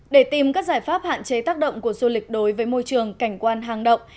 để tìm các giải pháp hạn chế tác động của du lịch đối với môi trường cảnh quan hàng động